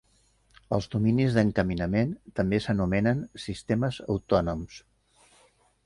Els dominis d'encaminament també s'anomenen sistemes autònoms.